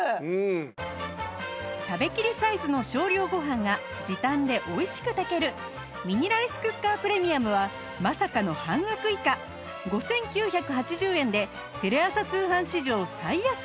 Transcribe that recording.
食べきりサイズの少量ご飯が時短で美味しく炊けるミニライスクッカープレミアムはまさかの半額以下５９８０円でテレ朝通販史上最安値